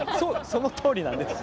そのとおりなんです。